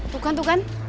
tuh kan tuh kan